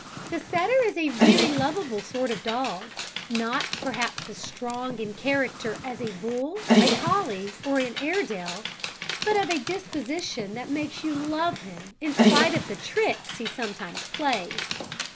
The setter is a very lovable sort of dog, not perhaps as strong in character as a bull, a collie or Airedale, but of a disposition that makes you love him in spite of the tricks he sometimes plays.